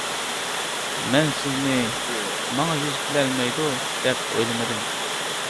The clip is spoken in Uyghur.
-مەن سىزنى ‹ماڭا يۈز كېلەلمەيدۇ› دەپ ئويلىمىدىم.